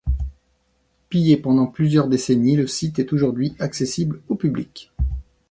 Pillé pendant plusieurs décennies, le site est aujourd’hui accessible au public.